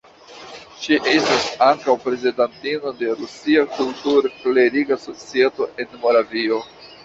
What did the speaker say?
Ŝi estas ankaŭ prezidantino de Rusia Kultur-kleriga Societo en Moravio.